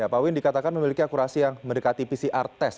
pak win dikatakan memiliki akurasi yang mendekati pcr test